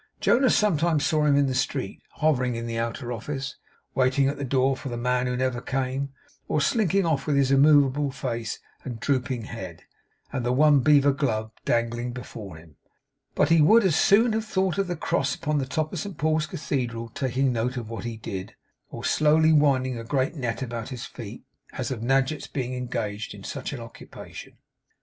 Jonas sometimes saw him in the street, hovering in the outer office, waiting at the door for the man who never came, or slinking off with his immovable face and drooping head, and the one beaver glove dangling before him; but he would as soon have thought of the cross upon the top of St. Paul's Cathedral taking note of what he did, or slowly winding a great net about his feet, as of Nadgett's being engaged in such an occupation.